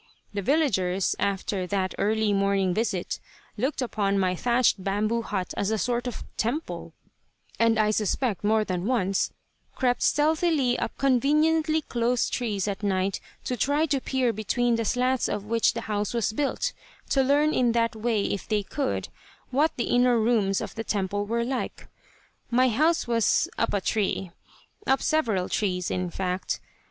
The villagers, after that early morning visit, looked upon my thatched bamboo hut as a sort of temple, and I suspect more than once crept stealthily up conveniently close trees at night to try to peer between the slats of which the house was built, to learn in that way if they could, what the inner rooms of the temple were like. My house was "up a tree." Up several trees, in fact.